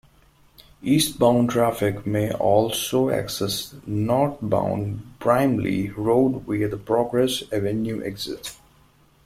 Eastbound traffic may also access northbound Brimley Road via the Progress Avenue exit.